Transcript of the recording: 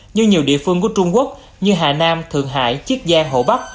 như nhiều địa phương của trung quốc như hà nam thượng hải chiết giang hồ bắc